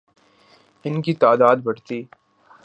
ان کی تعداد بڑھتی